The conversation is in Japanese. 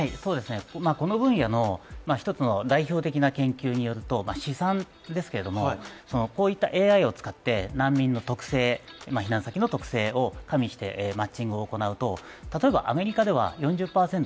この分野の一つの代表的な研究によると、試算ですけれどもこういったＡＩを使って難民の特性避難先の特性を加味してマッチングを行うと、例えばアメリカでは４０％